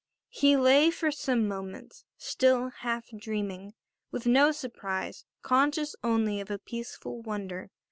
He lay for some moments still half dreaming, with no surprise, conscious only of a peaceful wonder.